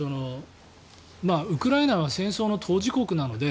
ウクライナは戦争の当事国なので